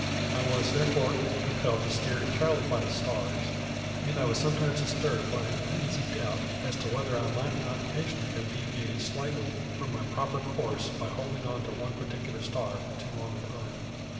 I was therefore compelled to steer entirely by the stars, and I was sometimes disturbed by an uneasy doubt as to whether I might not occasionally have deviated slightly from my proper course by holding on to one particular star for too long a time.